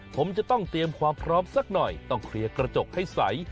ผมจะต้องเตรียมความพร้อมสักหน่อยต้องเคลียร์กระจกให้ใส